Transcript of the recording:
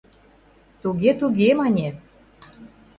— Туге, туге мане.